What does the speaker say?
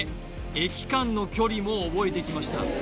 駅間の距離も覚えてきました